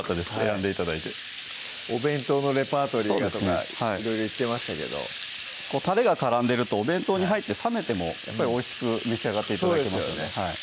選んで頂いて「お弁当のレパートリーが」とかいろいろ言ってましたけどたれが絡んでるとお弁当に入って冷めてもやっぱりおいしく召し上がって頂けますね